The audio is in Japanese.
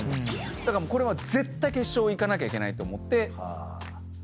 だからこれは絶対決勝いかなきゃいけないって思って出たんです。